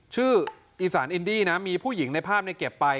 ชื่ออีสานอินดี้นะมีผู้หญิงในภาพเก็บไป